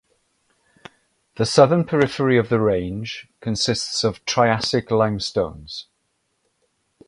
The southern periphery of the Range consists of Triassic limestones.